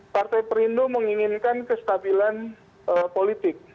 partai perindo menginginkan kestabilan politik